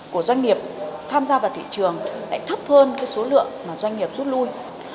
của doanh nghiệp tham gia vào thị trường lại thấp hơn số lượng doanh nghiệp rút lui